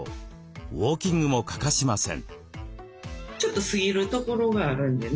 ウオーキングも欠かしません。